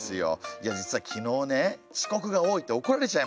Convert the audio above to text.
いや実は昨日ね遅刻が多いって怒られちゃいましてね。